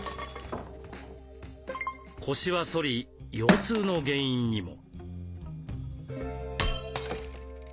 腰は反り腰痛の原因にも。